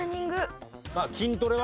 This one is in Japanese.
筋トレは？